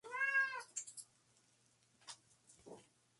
Univision Communications, Inc.